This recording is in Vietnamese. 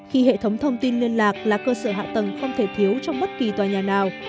khi hệ thống thông tin liên lạc là cơ sở hạ tầng không thể thiếu trong bất kỳ tòa nhà nào